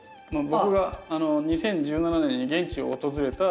僕が２０１７年に現地を訪れた。